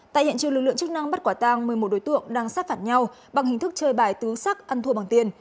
tại hiện trường lực lượng chức năng bắt quả tang một mươi một đối tượng đang sát phạt nhau bằng hình thức chơi bài tứ sắc ăn thua bằng tiền